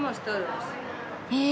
へえ。